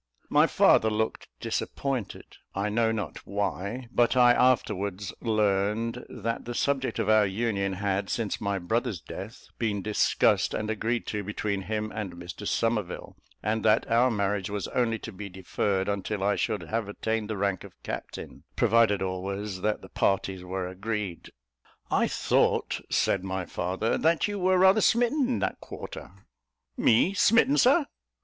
My father looked disappointed; I know not why; but I afterwards learned that the subject of our union had, since my brother's death, been discussed and agreed to between him and Mr Somerville; and that our marriage was only to be deferred until I should have attained the rank of captain, provided always that the parties were agreed. "I thought," said my father, "that you were rather smitten in that quarter?" "Me smitten, Sir?"